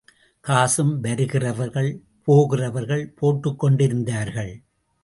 காசும் வருகிறவர் போகிறவர் போட்டுக்கொண்டிருந்தார்கள்.